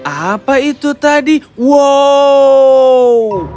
apa itu tadi wow